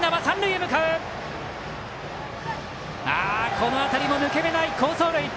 この辺りも抜け目ない好走塁！